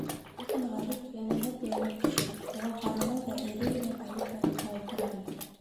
Ләкин Ғариф, йәнәһе, пионер кеше, уға ҡарамай ҙа, эре генә Талип янында ултыра ине.